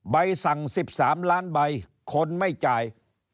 ใบสั่ง๑๓ล้านใบคนไม่จ่าย